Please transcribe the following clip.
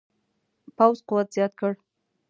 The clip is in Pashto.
پوځ قوت زیات کړ.